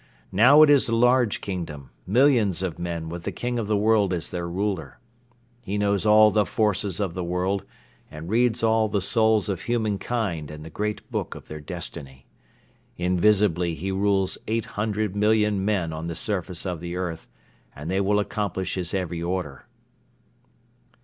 Now it is a large kingdom, millions of men with the King of the World as their ruler. He knows all the forces of the world and reads all the souls of humankind and the great book of their destiny. Invisibly he rules eight hundred million men on the surface of the earth and they will accomplish his every order."